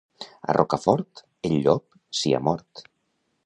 A Rocafort, el llop s'hi ha mort.